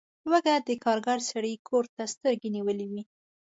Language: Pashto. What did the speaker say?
لوږه د کارګر سړي کور ته سترګې نیولي وي.